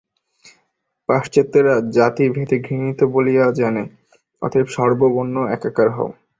পাশ্চাত্যেরা জাতিভেদ ঘৃণিত বলিয়া জানে, অতএব সর্ব বর্ণ একাকার হও।